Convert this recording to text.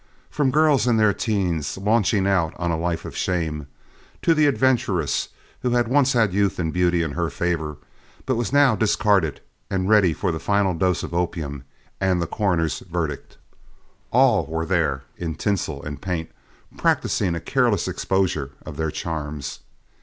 From girls in their teens, launching out on a life of shame, to the adventuress who had once had youth and beauty in her favor, but was now discarded and ready for the final dose of opium and the coroner's verdict, all were there in tinsel and paint, practicing a careless exposure of their charms.